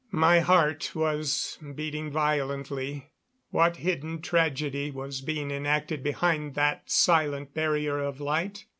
My heart was beating violently. What hidden tragedy was being enacted behind that silent barrier of light?